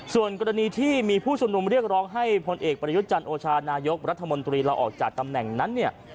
ส่วนกรณีที่มีผู้ชุมนุมเรียกร้องให้พลเอกประยุทธ์จันทร์โอชานายกรัฐมนตรีลาออกจากตำแหน่งนั้นเนี่ย